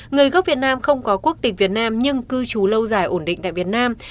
người gốc việt nam không có quốc tịch việt nam nhưng cư trú lâu dài ổn định tại việt nam